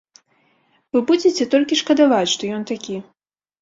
Вы будзеце толькі шкадаваць, што ён такі.